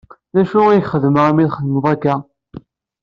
D acu i ak-xedmeɣ imi iyi-txedmeḍ akka?